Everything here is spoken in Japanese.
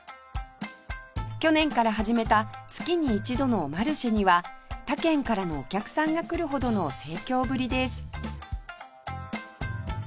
去年から始めた月に一度のマルシェには他県からのお客さんが来るほどの盛況ぶりです